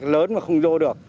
lớn mà không vô được